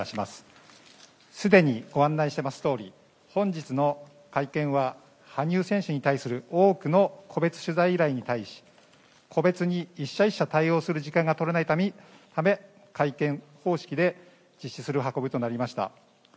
すでにご案内していますとおり本日の会見は羽生選手に対する多くの個別取材依頼に対し個別に１社１社対応する時間が取れないため会見方式で実施する運びとなりました。